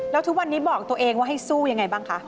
แล้วทุกวันนี้บอกตัวเองว่าให้สู้ยังไงบ้างคะ